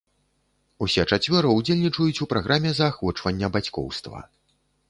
Усе чацвёра ўдзельнічаюць у праграме заахвочвання бацькоўства.